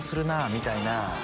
みたいな。